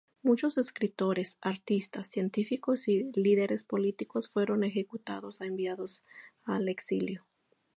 Muchos escritores, artistas, científicos y líderes políticos fueron ejecutados o enviados al exilio.